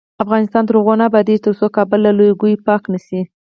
افغانستان تر هغو نه ابادیږي، ترڅو کابل له لوګیو پاک نشي.